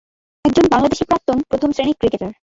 একজন বাংলাদেশী প্রাক্তন প্রথম শ্রেণির ক্রিকেটার।